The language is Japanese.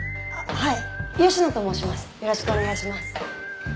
はい！